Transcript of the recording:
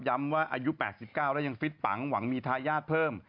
ว่าอายุ๘๙แล้วยังฟิตปังหวังมีทายาทเพิ่ม